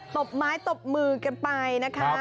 บไม้ตบมือกันไปนะคะ